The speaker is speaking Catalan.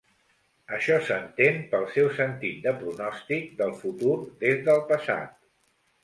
Això s'entén pel seu sentit de pronòstic del futur des del passat.